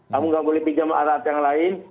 kamu nggak boleh pinjam alat yang lain